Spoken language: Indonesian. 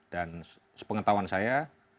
dan sepengetahuan saya